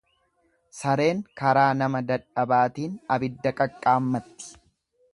Sareen karaa nama dadhabaatiin abidda qaqqaammatti.